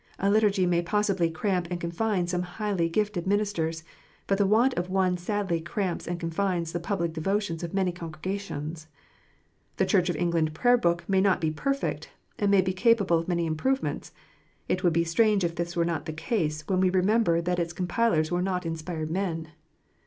A Liturgy may possibly cramp and confine some highly gifted ministers, but the want of one sadly cramps and confines the public devotions of many congregations. The Church of England Prayer book may not be perfect, and may be capable of many improvements. It would be strange if this was not the case, when we remember that its compilers were not inspired men.